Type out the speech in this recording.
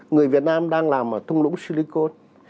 người việt nam đang làm ở thung lũng silicon